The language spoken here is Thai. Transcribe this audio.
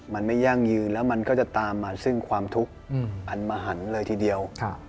มันไม่ยั่งยืนแล้วมันก็จะตามมาซึ่งความทุกข์อันมหันเลยทีเดียว